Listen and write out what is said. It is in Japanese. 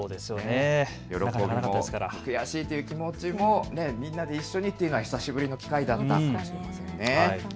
喜びも、悔しいという気持ちもみんなで一緒にというのは久しぶりの機会だったと言えますね。